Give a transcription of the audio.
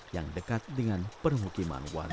yang dekat dengan permukiman warga